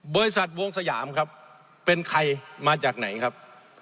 บริษัทวงสยามครับเป็นใครมาจากไหนครับ